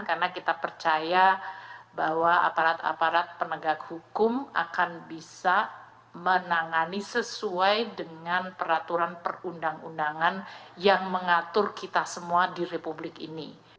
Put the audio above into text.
karena kita percaya bahwa aparat aparat penegak hukum akan bisa menangani sesuai dengan peraturan perundang undangan yang mengatur kita semua di republik ini